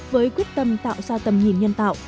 với quyết tâm tạo ra tầm nhìn nhân tạo